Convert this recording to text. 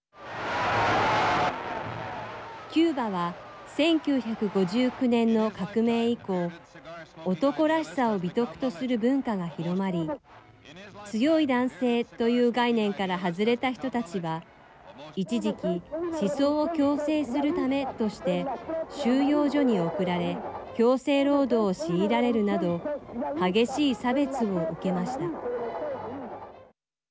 キューバは１９５９年の革命以降男らしさを美徳とする文化が広まり強い男性という概念から外れた人たちは一時期思想を矯正するためとして収容所に送られ強制労働を強いられるなど激しい差別を受けました。